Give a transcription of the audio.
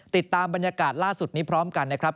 ติดตามบรรยากาศล่าสุดนี้พร้อมกันนะครับ